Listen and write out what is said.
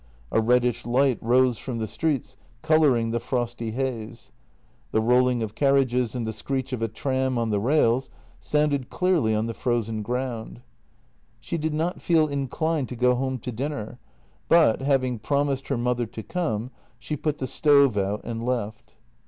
A reddish light rose from the streets, colouring the frosty haze. The rolling of carriages and the screech of a tram on the rails sounded clearly on the frozen ground. She did not feel inclined to go home to dinner, but, having promised her mother to come, she put the stove out and left.